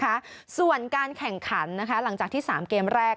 การการแข่งขันนะคะหลังจากที่๓เกมแรก